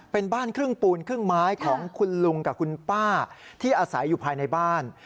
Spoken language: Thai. เป็นบ้านครึ่งปูนครึ่งไม้ของคุณลุงกับคุณป้าที่อาศัยอยู่ภายในบ้าน